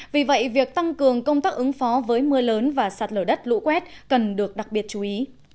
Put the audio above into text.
vì vậy việc tăng cường công tác ứng phó với mưa lớn và sạt lở đất lũ quét cần được đặc biệt chú ý